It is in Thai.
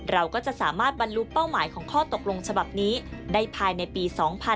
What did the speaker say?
เราก็จะสามารถบรรลุเป้าหมายของข้อตกลงฉบับนี้ได้ภายในปี๒๕๖๒